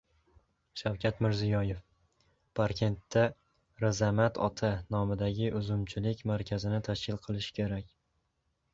Shavkat Mirziyoyev: Parkentda "Rizamat ota"nomidagi uzumchilik markazini tashkil qilish kerak